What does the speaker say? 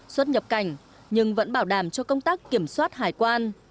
xuất nhập cảnh nhưng vẫn bảo đảm cho công tác kiểm soát hải quan